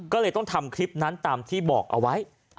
ก็เลยต้องทำคลิปนั้นตามที่บอกเอาไว้